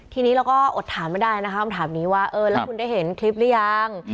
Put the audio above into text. ทีนี้เราก็อดถามไม่ได้นะคะคำถามนี้ว่าเออแล้วคุณได้เห็นคลิปหรือยัง